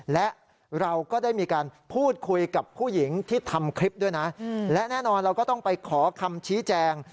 และเราก็ได้มีการพูดคุยกับผู้หญิงที่ทำคลิปด้วยนะและแน่นอนเราก็ต้องไปขอคำชี้แจง